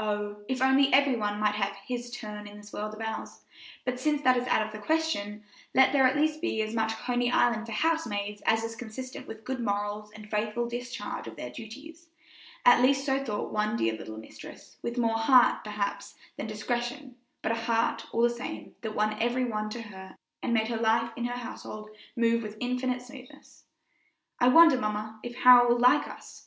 Oh! if only every one might have "his turn" in this world of ours; but since that is out of the question, let there at least be as much Coney Island for housemaids as is consistent with good morals and faithful discharge of their duties; at least so thought one dear little mistress, with more heart, perhaps, than discretion, but a heart, all the same, that won every one to her and made life in her household move with infinite smoothness. "I wonder, mamma, if Harold will like us?"